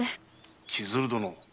千鶴殿。